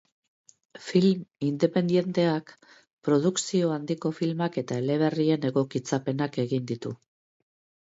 Film independenteak, produkzio handiko filmak eta eleberrien egokitzapenak egin ditu.